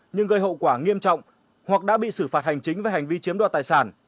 nhưng gây hậu quả nghiêm trọng hoặc đã bị xử phạt hành chính về hành vi chiếm đoạt tài sản